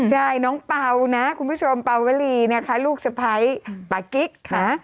ใช่น้องเปล่านะคุณผู้ชมเป่าวลีนะคะลูกสะพ้ายปากิ๊กนะ